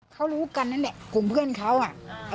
เขารู้กันนั่นแหละกลุ่มเพื่อนเขาอ่ะ